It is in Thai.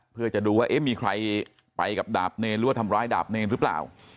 เพื่อจะดูว่าเอ๊ะมีใครไปกับดาบเนรหรือว่าทำร้ายดาบเนรหรือเปล่า